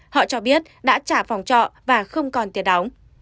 họ cho biết đã trả phòng trọ và không còn tiền đóng